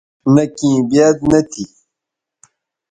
نہء کیں بیاد نہ تھی